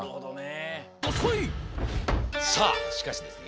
さあしかしですね